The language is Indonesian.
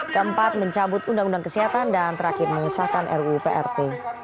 keempat mencabut undang undang kesehatan dan terakhir mengesahkan ruu prt